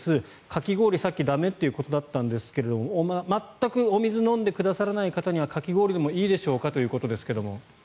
かき氷、さっき駄目ということだったんですが全くお水を飲んでくださらない方にはかき氷でもいいでしょうかということですが。